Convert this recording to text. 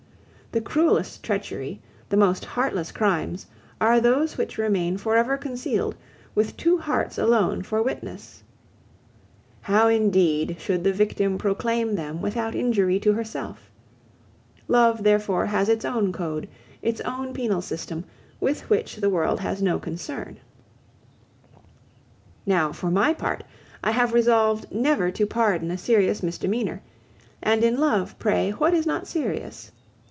The cruelest treachery, the most heartless crimes, are those which remain for ever concealed, with two hearts alone for witness. How indeed should the victim proclaim them without injury to herself? Love, therefore, has its own code, its own penal system, with which the world has no concern. Now, for my part, I have resolved never to pardon a serious misdemeanor, and in love, pray, what is not serious?